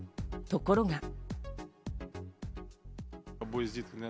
ところが。